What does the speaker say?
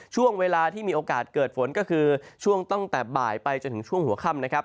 ช่วงเวลาที่มีโอกาสเกิดฝนก็คือช่วงตั้งแต่บ่ายไปจนถึงช่วงหัวค่ำนะครับ